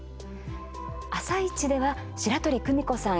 「あさイチ」では白鳥久美子さん